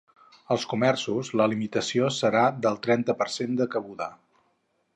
Als comerços, la limitació serà del trenta per cent de cabuda.